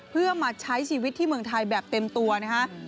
เพื่อมาใช้ชีวิตที่เมืองไทยแบบเต็มตัวนะฮะ